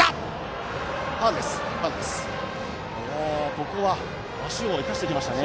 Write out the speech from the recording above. ここは足を生かしてきましたね。